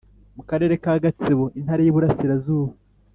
mu karere ka Gatsibo Intara y iburasirazuba